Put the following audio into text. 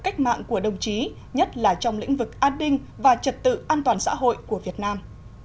cách mạng của đồng chí nhất là trong lĩnh vực an ninh và trật tự an toàn xã hội của việt nam